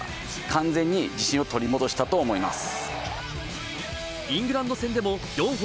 完全に自信を取り戻したと思います。